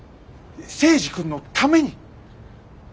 征二君のために。